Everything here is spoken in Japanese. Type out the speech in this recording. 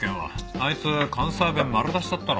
あいつ関西弁丸出しだったろ。